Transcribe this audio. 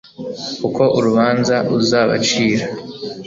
kuko urubanza uzabacira